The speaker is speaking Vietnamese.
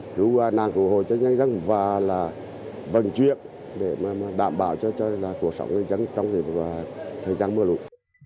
cứu nạn cứu hồi cho dân dân và là vận chuyển để mà đảm bảo cho cuộc sống dân trong thời gian mưa lụt